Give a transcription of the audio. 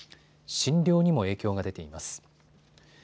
診療にも影響が出ています。